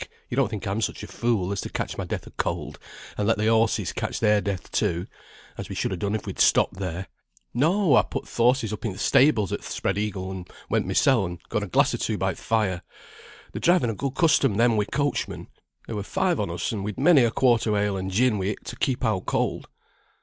you don't think I'm such a fool as to catch my death of cold, and let the horses catch their death too, as we should ha' done if we'd stopped there. No! I put th' horses up in th' stables at th' Spread Eagle, and went mysel, and got a glass or two by th' fire. They're driving a good custom, them, wi' coachmen. There were five on us, and we'd many a quart o' ale, and gin wi' it, to keep out cold."